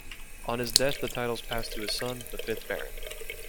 On his death the titles passed to his son, the fifth Baron.